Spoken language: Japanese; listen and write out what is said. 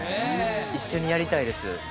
一緒にやりたいです